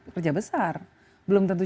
kerja besar belum tentu